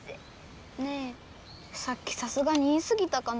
ねえさっきさすがに言いすぎたかな。